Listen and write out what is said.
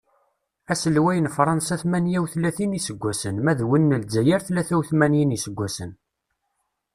Aselway n Fransa tmanya utlatin iseggasen ma d win n lezzayer tlata utmanyin iseggasen.